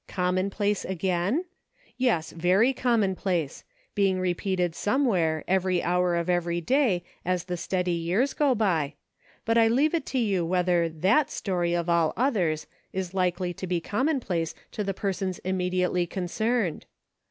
" Commonplace again ?" Yes, very commonplace : being repeated somewhere, every hour of every day as the steady years go by, but I leave it to you whether //lat story of all others, is likely to be com monplace to the persons immediately concerned